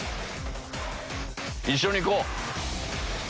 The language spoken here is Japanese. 一緒に行こう。